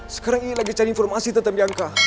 sekarang iin lagi cari informasi tentang bianca